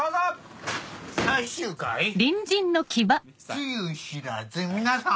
つゆ知らず皆さん。